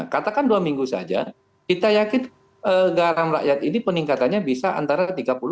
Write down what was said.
katakan dua minggu saja kita yakin garam rakyat ini peningkatannya bisa antara tiga puluh lima